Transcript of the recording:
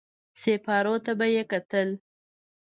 سېپارو ته به يې کتل.